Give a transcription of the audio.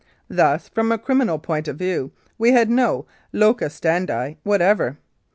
Thus, from a criminal point of view, we had no locus standi whatever.